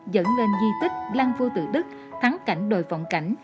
dẫn lên di tích lan phu tự đức thắng cảnh đồi vọng cảnh